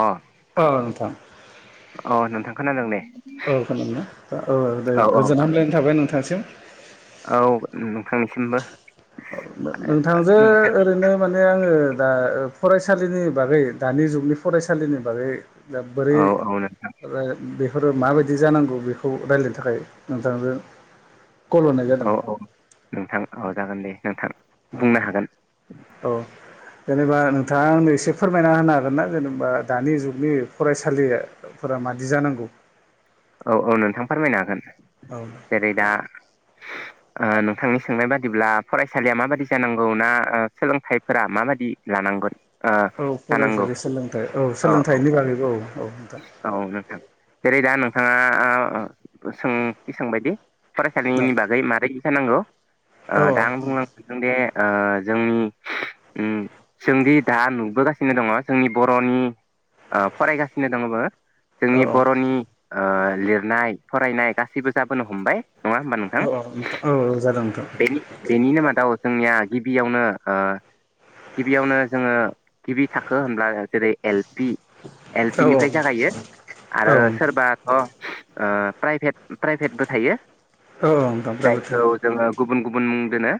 अ औ नोंथां अ नोंथां खोनादों दे। औ खोनादोंना औ दे गोजोन हामलायनाय थाबाय नोंथांसिम। औ नोंथांनिसिमबो। नोंथांजों ओरैनो माने। माने आङो दा फरायसालिनि बागै दानि जुगनि फरायसालिनि बागै दा औ बोरै औ नोंथां बे बेफोरो माबायदि जानांगौ बेखौ रायलायनो थाखाय नोंथांजो औ औ नोंथां औ जागोन दे नोंथां बुंनो हागोन। औ जेनेबा नोंथाङा आंनो एसे फोरमायना होनो हागोन ना जेनेबा दानि जुगनि फरायसालिफोरा माबायदि जानांगौ? औ औ नोंथां फोरमायनो हागोन औ जेरै दा नोंथांनि सोंनाय बादिब्ला फरायसालिया माबायदि जानांगौ ना सोलोंथाइफोरा माबायदि लानांगौ? औ फरायसालि सोलोंथाइ औ सोलोंथाइनि बागैबो औ। औ नोंथां औ नोंथां जेरै दा नोंथाङा सोंथि सोंबायदि औ फरायसालिनि बागै मारै जानांगौ औ दा आं बुंलां सानदों दे जोंनि ओम जोंदि दा नुबोगासिनो दङ जोंनि बर'नि फराय दङ औ जोंनि औ बर'नि लिरनाय फरायनाय गासैबो जाबोनो हमबाय। नङा होमबा औ नोंथां औ नोंथां औ औ जादों नोंथां बेनि बेनिनो मादाव जोंनिया गिबियावनो गिबियावनो जोङो गिबि थाखो होनब्ला जेरै एल एल औ पि निफ्राय जागायो औ आरो सोरबाथ' प्राइभेट प्राइभेटबो थायो। औ औ। जायखौ जोङो गुबुन गुबुन मुं दोनो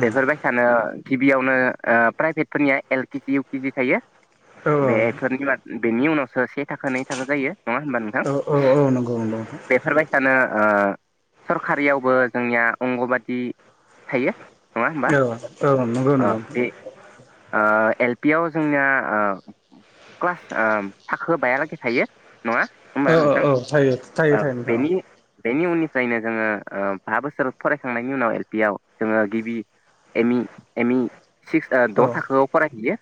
औ बेफोरबायसानो। गिबियावनो प्राइभेटफोरनिया एल केजि इउ किजि थायो औ बेफोरनि बेनि उनावसो से थाखो नै थाखो जायो नङा होनबा नोंथां औ औ नंगौ नंगौ बेफोरबायदिसानो। ओ सरखारियावबो जोंनिया अंग'बादि थायो। नङा होमबा औ औ नंगौ अ नंगौ बे ओ एल-पि आव जोंनिया क्लास ओ थाखो बायालागै थायो। नङा औ होनबा औ नोंथां औ थायो थायो औ थायो नोंथां बेनि बेनि उननिफ्रायनो जोङो ओ बा बोसोर फरायखांनायनि उनाव एल-पि आव जोङो गिबि एमि एमि सिक्स ओ औ द' थाखोआव फरायहैयो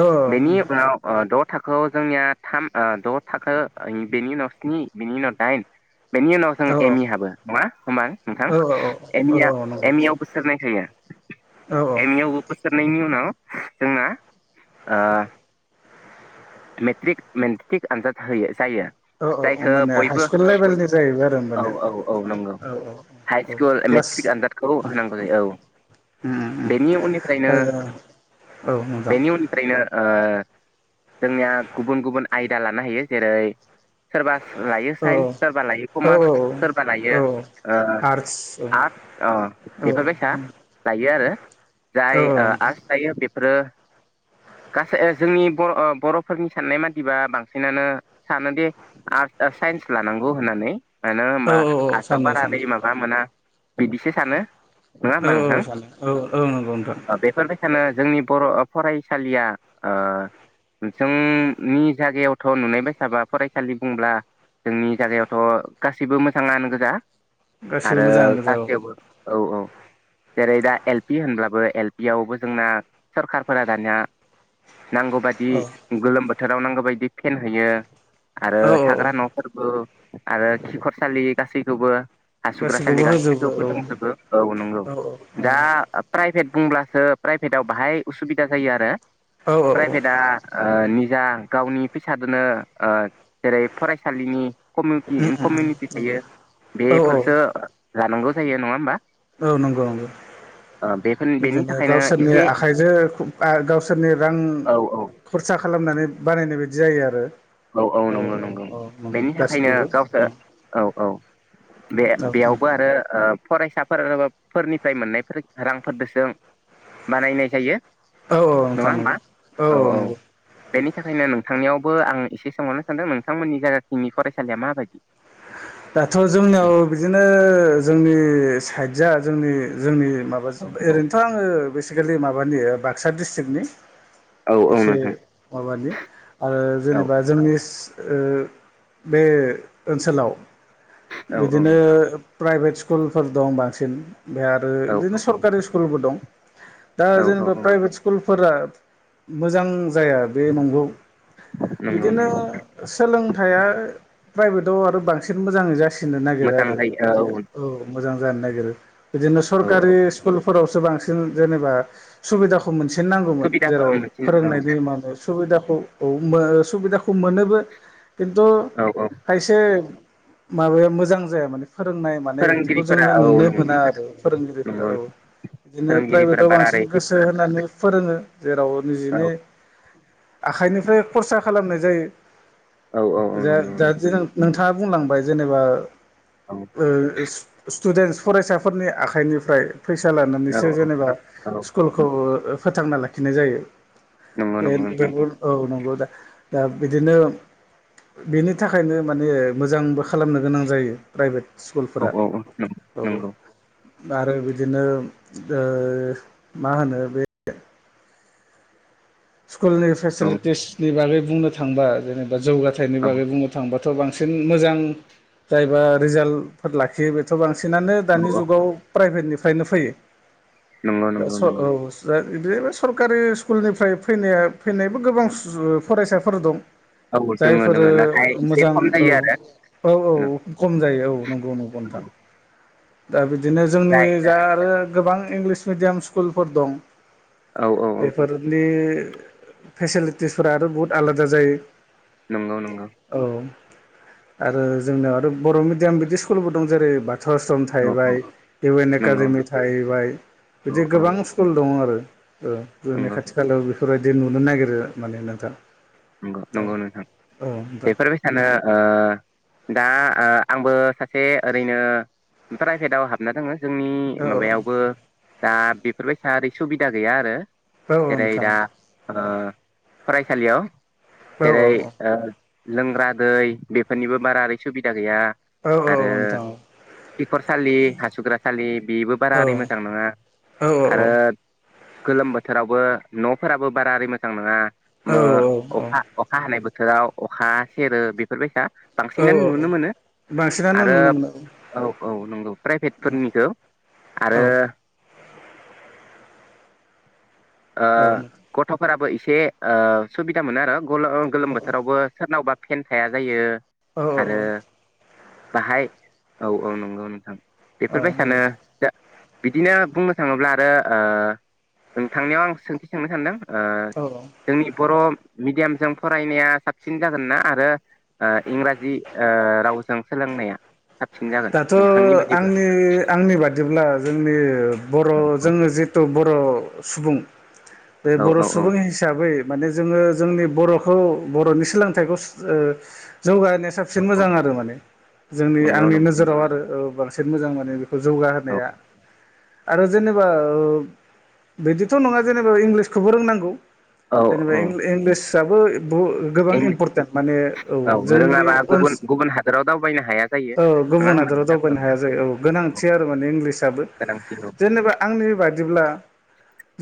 औ बेनि उनाव ओ द' थाखोआव जोंनिया थाम ओ द' थाखो बेनि उनाव स्नि बेनि उनाव दाइन बेनि उनाव जों औ एम इ हाबो नङा होमबा नोंथां औ एम इ औ आ औ नंगौ एम इ आव बोसोर नै थायो। औ औ एम इ आवबो बोसोरनायनि उनाव जोंना ओ। मेट्रिक मेट्रिक आनजाद होयो जायो। औ औ जायखौ होमबानिया बयबो हाइस्कुल लेभेलनि जाहैबाय आरो औ औ औ नंगौ होनबानिया औ औ। हाइ औ स्कुल क्लास मेट्रिक आनजादखौ होनांगौ जायो औ। उम बेनि उम उननिफ्रायनो औ औ नोंथां बेनि उननिफ्रायनो ओ जोंनिया गुबुन गुबुन आयदा लानो हायो जेरै सोरबा लायो औ साइन्स सोरबा लायो औ कमार्स औ सोरबा लायो औ ओ आर्टस औ आर्स अ औ बेफोरबायसा लायो आरो औ जाय ओ औ आर्स लायो बेफोरो गासै जोंनि बर' बर'फोरनि साननाय मादिबा बांसिनानो सानोदि आर्स ओ साइन्स लानांगौ होननानै। मानो औ होनबा औ आर्सआव सानो बारा दै सानो माबा मोना बिदिसो सानो। नङा औ होमबा औ नोंथां सानो औ औ नंगौ नोंथां ओ बेफोर बाय खायनो जोंनि बर' फरायसालिया ओ नोसोंनि जायगायावथ नुनाय बायसाबा फरायसालि बुंब्ला जोंनि जायगायावथ' गासिबो मोजाङानो गोजा। गासिबो आरो मोजाङानो गोजा औ गासैयावबो औ औ। जेरै दा एल-पि होनब्लाबो एल-पि आवबो जोंना सरखारफोरा दानिया नांगौ बादि औ गोलोम बोथोराव नांगौ बायदि फेनहैयो आरो औ थाग्रा औ न' फोरबो आरो खिखरसालि गासैखौबो हासुग्रासालि गासिखौबो होजोबो औ गासैखौबो दंजोबो औ नंगौ दा प्राइभेट बुंब्लासो प्राइभेटआव बाहाय उसुबिदा जायो आरो औ औ औ। प्राइभेटआ ओ निजा गावनि फैसादोनो ओ जेरै फरायसालिनि कमिटि कमिउनिटि उम नंगौ थायो औ औ बेफोरसो जानांगौ जायो नङा होमबा। औ नंगौ नंगौ। ओ बेफोर बेनि बिदिनो थाखायनो गावसोरनि एसे आखाइजों आ गावसोरनि रां औ खर सा खालामनानै बानायनाय बादि जायो आरो। औ नंगौ औ नंगौ औ नंगौ बेनि थाखायनो गासिबावबो। गावसोर औ औ बे बेयावबो आरो ओ फरायसाफोर फोरनिफ्राय मोननायफोर रांफोरजोंसो बानायनाय जायो। औ औ नङा नोंथां होमबा नंगौ औ औ। नंगौ बेनि थाखायनो नोंथांनियावबो आं एसे सोंहरनो सानदों नोंथांमोननि जायगाथिंनि फरायसालिया माबायदि? दाथ' जोंनियाव बिदिनो जोंनि साइडजआ जोंनि जोंनि माबा औ ओरैनोथ' आङो बेसिकेलि माबानि बाक्सा डिस्ट्रिकनि। औ औ एसे नोंथां माबानि आरो औ जेनेबा जोंनि स ओ बे ओनसोलाव औ औ बिदिनो नोंथां प्राइभेट स्कुलफोर दं बांसिन। ओमफाय आरो औ बिदिनो सरकारि स्कुलबो दं दा औ औ जेनेबा औ प्राइभेट स्कुल फोरा मोजां जाया बे नंगौ नंगौ बिदिनो नंगौ सोलोंथाइया प्राइभेटाव आरो बांसिन मोजाङै जासिनो नागिरो आरो माने औ मोजां जानो नागिरो। बिदिनो औ सरकारि स्कुलफोरावसो बांसिन जेनेबा सुबिदाखौ मोनसि सिन नांगौमोन सुबिदाफोर जेराव मोनसिन औ फोरोंनायनायनि मानो सुबिदाखौ औ मो सुबिदाखौ मोनोबो खिन्थु औ औ खायसे माबाया मोजां जाया माने फोरोंनाय माने बिदिखौ फोरोंगिरिफोरा जोङो औ नुनो नंगौ मोना आरो फोरोंगिरिफोरा औ। नंगौ बिदिनो फोरोंगिरिफोरा प्राइभेटआव बांसिन बारारै गोसो होनानै फोरोङो जेराव औ निजिनि आखाइनिफ्राय खरसा खालामनाय जायो औ औ औ नंगौ [unintelligible] नोंथ बुंलांबाय जेनेबा ओ [unintelligible] टुडेन्टस फरायसाफोरनि आखाइनिफ्राय फैसा नंगौ औ लानानैसो जेनेबा औ स्कुलखौ ओ फोथांना लाखिनाय जायो नंगौ नंगौ बे नोंथां [unintelligible] औ नंगौ दा दा बिदिनो बेनि थाखायनो माने मोजांबो खालामनो गोनां जायो प्राइभेट औ स्कुलफोरा औ औ औ। नंगौ आरो बिदिनो ओ मा होनो बे स्कुलनि औ फेसिलिटिसनि बागै बुंनो थांबा जेनेबा जौगाथायनि औ बागै बुंनो थांबा त' बांसिन मोजां जायबा रिजाल्टफोर लाखियो बेथ' बांसिन सिनानो दानि औ जुगाव प्राइभेटनिफ्रायनो फैयो नंगौ नंगौ नंगौ [unintelligible] इदिनो सरकारि स्कुलनिफ्राय फैनाया फैनायबो गोबां [unintelligible] फरायसाफोर दं। औ दोङो जायफोरो दोङो नाथाय एसे मोजां खम औ। जायो आरो औ औ कम जायो औ नंगौ नंगौ नोंथां। दा बिदिनो जोंनि जा आरो गोबां इंग्लिस मिडियाम स्कुलफोर दं। औ औ औ बेफोरनि फेसिलिटिसफोरा आरो बुहुत आलादा जायो। नंगौ नंगौ औ आरो जोंनियाव आरो बर' मिडियाम बिदि स्कुलबो दं जेरै ब थ' आस्रम औ औ थाहैबाय इउ एन नंगौ एकाडेमि थाहैबाय औ बिदि गोबां स्कुल दङ आरो। ओ जोंनि नंगौ खाथि खालायाव बिफोरबायदि नुनो नागिरो माने नोंथां। नंगौ औ नंगौ नोंथां औ नोंथां बेफोरबायसानो ओ दा ओ आंबो सासे ओरैनो प्राइभेटाव हाबना दोङो। जोंनि औ माबायावबो दा बेफोरबायसा ओरै सुबिदा गैया आरो। जेरै दा ओ फरायसालियाव जेरै औ ओ लोंग्रा दै बेफोरनिबो बारा ओरै सुबिदा गैया। औ औ नोंथां औ। किख'रसालि हासुग्रा सालि बेबो बारा औ ओरै मोजां नङा औ आरो औ गोलोम बोथोरावबो न'फोराबो बारा ओरै मोजां नोङा मो औ अखा अखा हानाय बोथ थोराव अखा सेरो बेफोरबायसा औ बांसिनानो नुनो औ मोनो। बांसिनानो आरो नुनो मोनो औ औ नंगौ प्राइभेटफोरनिखौ औ आरो ओ औ गथ'फोराबो एसे ओ सुबिदा मोनो आरो गल ओ गोलोम बोथोरावबो सोरनावबा फेन थाया जायो औ आरो बाहाय औ औ नंगौ नोंथां। औ बेफोरबाय सानो नंगौ जा बिदिनो बुंनो थाङोब्ला आरो ओ नोंथांनायाव आं सोंथि सोंनो सानदों। ओ औ औ जोंनि बर' मिडियामजों फरायनाया साबसिन जागोन ना आरो ओ इंराजि ओ रावजों सोलोंनाया? साबसिन जागोन दाथ' नोंथांनि बायदिब्ला आंनि आंनि बादिब्ला जोंनि बर' औ जोङो जिथु बर' सुबुं बे बर' औ औ सुबुं हिसाबै माने जोङो जोंनि बर'खौ बर'नि सोलोंथाइखौ सुस ओ जौगाहोनाया औ साबसिन औ मोजां आरो माने जोंनि नंगौ आंनि नंगौ नोजोराव आरो ओ बांसिन मोजां माने बे औ जौगाहोनाया आरो जेनेबा ओ बिदिथ' नङा जेनेबा इंलिसखौबो रोंनांगौ औ जेनेबा औ इं - इंलिसाबो बु गोबां इं इम्परटेन्ट माने औ जोंनि रोङाबा ओनस गुबुन गुबुन हादोराव दावबायनो हाया जायो औ गो नङा गुबुन होमबा हादराव नोंथां औ दावबायनो हाया जायो औ गोनांथि आरो माने इंलिसाबो गोनांथि औ जेनेबा आंनि बा दिब्ला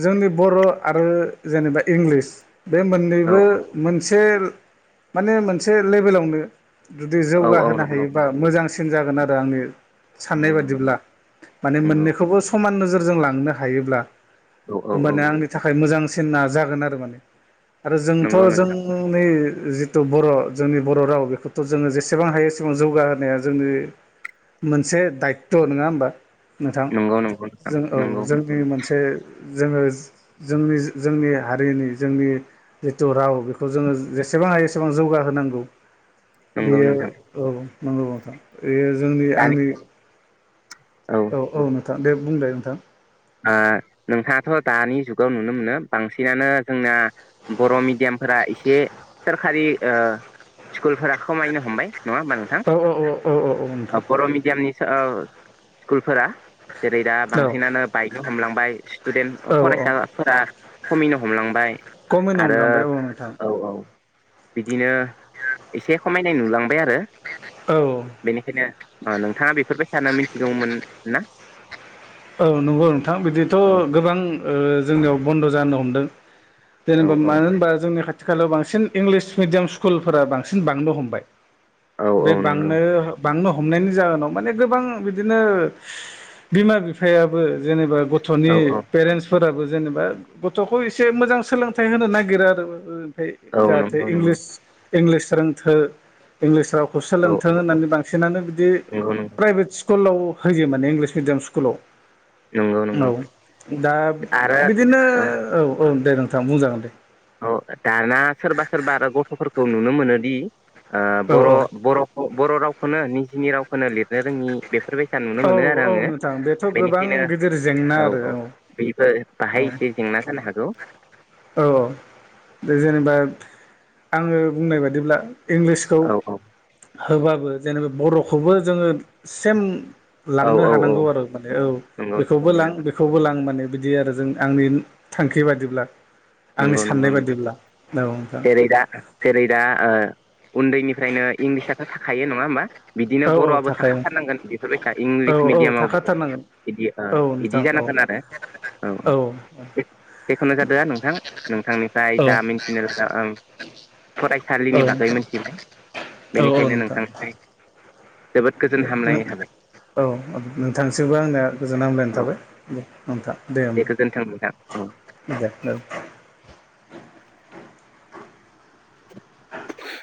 जोंनि बर' आरो जेनेबा इंलिस बे औ मोननैबो मोनसे माने मोनसे लेबेलावनो जुदि औ औ जौगाहोनो नंगौ हायोबा मोजांसि गोन आरो आंनि साननाय नंगौ नंगौ बादिब्ला माने‌ नंगौ मोननैखौबो सम मान नोजोरजों लांनो हायोब्ला औ औ औ होमबानिया आंनि थाखाय मोजां सिना जागोन आरो माने आरो जोंथ' नंगौ नोंथां जोंनि जिथु बर' जोंनि बर' राव बेखौथ' जोङो जेसेबां हायो एसेबां जौगाहोनाया जोंनि मोनसे दायित्त' नङा होमबा नोंथां नंगौ नंगौ नोंथां जों औ नंगौ जोंनि मोनसे जोङो जोंनि-जोंनि हारिनि जोंनि जितु राव बेखौ जोङो जेसे बां हायो एसेबां जौगाहोनांगौ नंगौ बेयो नोंथां औ नंगौ नोंथां बेयो जोंनि दानि आंनि औ औ नोंथां दे बुंदो नोंथां आ नोंथाङाथ' दानि जुगाव नुनो मोनो बांसिनानो जोंना बर' मिडियामफोरा एसे सोरखारि ओ स्कुलफोरा खमायनो हमबाय नङा होमबा नोंथां औ औ औ औ औ औ नोंथां बर' मिडियामनि [unintelligible] ओ स्कुलफोरा जेरै दा औ बांसिनानो बायनो हमलांबाय स्टुडेन्ट औ औ फरायसाफोरा खमिनो हमलांबाय खमायनो आरो हमलांबाय औ नोंथां औ औ बिदिनो एसे खमायनाय नुलांबाय आरो औ बेनिखायनो ओ नोंथाङा बेफोरबाय सानो मिथिगौमोन ना औ नंगौ नोंथां बिदिथ' औ गोबां ओ जोंनियाव बन्द' जानो हमदों औ जेनेबा औ मानो होनबा जोंनि खाथि खालायाव बांसिन इंलिस मिडियाम स्कुलफोरा बांसिन बांनो हमबाय औ औ बे नंगौ बांनो-बांनो हमनायनि जाहोनाव माने गोबां बिदिनो बिमा बिफायाबो जेनेबा गथ'नि औ औ पेरेन्टसफोराबो जेनेबा गथ'खौ एसे मोजां सोलोंथाइ होनो नागिरो आरो फाय औ जाहाथे नंगौ नंगौ इंलिस-इंलिस रोंथो इंलिस रावखौ औ सोलोंथों औ औ होननानै बांसिन सिनानो बिदि नंगौ नंगौ प्राइभेट स्कुलाव होयो माने इंलिस मिडियाम स्कुलाव नंगौ नंगौ औ दा आरो बिदिनो औ औ दे नोंथां बुंजागोन दे औ दाना सोरबा सोरबा आरो गथ'फोरखौ नुनो मोनोदि ओ औ औ बर'-बर'खौ बर' रावखोनो निजिनि रावखोनो लिरनो रोङि बे फोरबायसा नुनो औ मोनो आरो औ आङो नोंथां बेथ' गोबां बेनिखायनो गिदिर जेंना औ आरो औ बेबो औ बाहाय एसे जेंना जानो हागौ औ जेनेबा आङो बुंनाय बादिब्ला इंलिसखौ औ औ होबाबो जेनेबा बर'खौबो जोङो सेम औ लांनो औ औ हानांगौ आरो माने औ नंगौ नंगौ बेखौबो नंगौ लां बेखौबो लां मा ने बिदि आरो जों आंनि थांखि बादिब्ला आंनि नंगौ नंगौ साननाय नों बादिब्ला औ नोंथां जेरै दा जेरै दा ओ उन्दैनिफ्रायनो इंलिसआथ' थाखायो नङा होमबा बिदिनो औ औ बर'आबो थाखायो नोंथां थाखाथारनांगोन बेफोरबायसा औ इंलिस औ मिडियामावबो थाखाथारनांगोन बिदि ओ औ बिदि नोंथां औ जानांगोन आरो औ औ जेखुनु जादो आ नोंथां नोंथांनिफाय औ जा मिथिनो लादों ओं औ फरायसालिनि बागै नोंथां मोनथिबाय औ औ बेनिखायनो नोंथां [unintelligible] औ नोंथांसिबो आंनो गोजोन हामलायनाय औ थाबाय दे नोंथां दे गोजोन्थों नोंथां औ होमबा दे औ